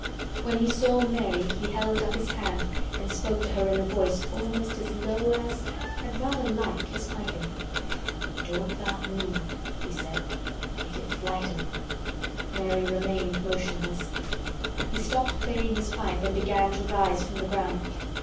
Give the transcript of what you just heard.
When he saw Mary he held up his hand and spoke to her in a voice almost as low as and rather like his piping. "Don't tha' move," he said. "It'd flight 'em." Mary remained motionless. He stopped playing his pipe and began to rise from the ground.